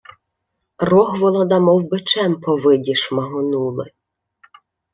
Рогволода мов бичем по виді шмагонули.